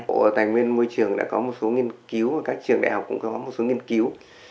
bộ tài nguyên môi trường đã có một số nghiên cứu và các trường đại học cũng có một số nghiên cứu